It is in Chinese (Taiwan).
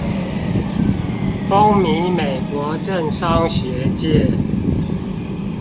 風靡美國政商學界